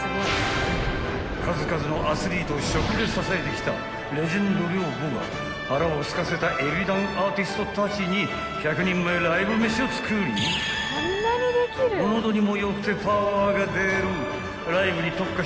［数々のアスリートを食で支えてきたレジェンド寮母が腹をすかせたＥＢｉＤＡＮアーティストたちに１００人前ライブ飯を作り喉にも良くてパワーが出るライブに特化した］